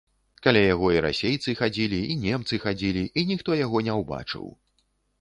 Каля яго і расейцы хадзілі, і немцы хадзілі, і ніхто яго не ўбачыў.